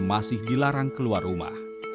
masih dilarang keluar rumah